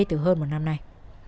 từ hơn một năm nay